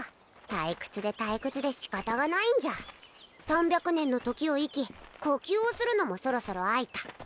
退屈で退屈で仕方がないんじゃ３００年の時を生き呼吸をするのもそろそろ飽いた